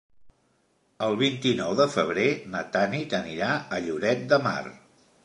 El vint-i-nou de febrer na Tanit anirà a Lloret de Mar.